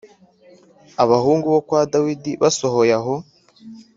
Abahungu bo kwa Dawidi basohoye aho